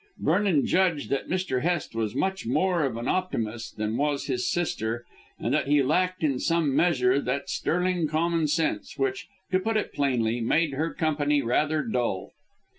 Vernon judged that Mr. Hest was much more of an optimist than was his sister, and that he lacked in some measure that sterling common sense which, to put it plainly, made her company rather dull.